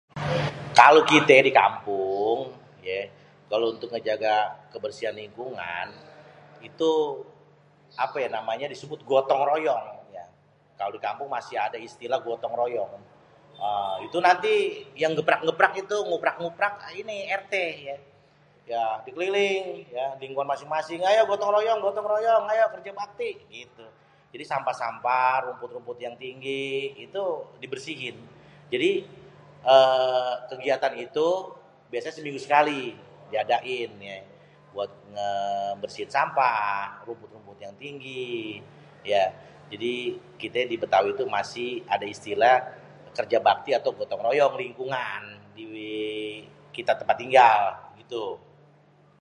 "Kalo kite di kampung ye kalo untuk ngejaga kebersihan lingkungan itu apé yé namanyé disebutnye uhm gotong royong. Kalo di kampung masih ade istilah gotong royong, uhm itu nanti yang nggeprak-nggeprak yang nguprak-nguprak ini (pak) RT. Ya nanti keliling ya, ""lingkungan masing-masing ayo gotong royong gotong royong ayo kerja bakti"" gitu jadi sampah-sampah, rumput-rumput yang tinggi, itu dibersihin. Jadi, uhm kegiatan itu biasanya seminggu sekali diadain ye buat ngebersihin sampah, rumput-rumput yang tinggi ya. Jadi kita di Bétawi tu masih ada istilah kerja bakti atau gotong royong di lingkungan di kita tempat tinggal gitu."